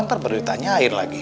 ntar beritanya air lagi